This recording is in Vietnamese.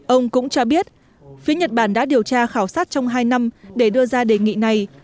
ông cũng cho biết phía nhật bản đã điều tra khảo sát trong hai năm để đưa ra đề nghị này